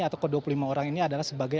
atau ke dua puluh lima orang ini adalah sebagai